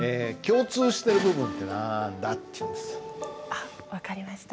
あっ分かりました。